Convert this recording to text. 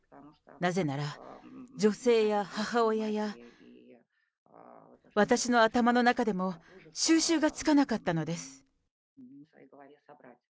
なぜなら女性や母親や、私の頭の中でも、収拾がつかなかったのです。